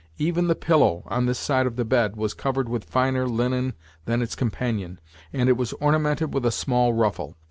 Even the pillow, on this side of the bed, was covered with finer linen than its companion, and it was ornamented with a small ruffle.